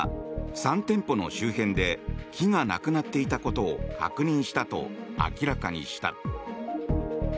３店舗の周辺で木がなくなっていたことを確認したと明らかにした。